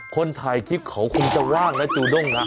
คนถ่ายคลิปของเขาคงจะว่างแล้วจูนุ่งนะ